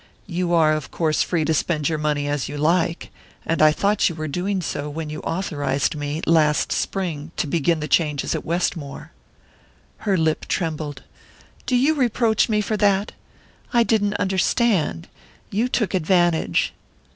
"You are of course free to spend your money as you like and I thought you were doing so when you authorized me, last spring, to begin the changes at Westmore." Her lip trembled. "Do you reproach me for that? I didn't understand...you took advantage...."